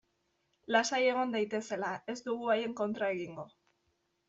Lasai egon daitezela, ez dugu haien kontra egingo.